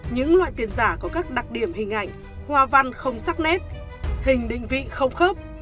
những loại tiền giả có các đặc điểm hình ảnh hoa văn không sắc nét hình định vị không khớp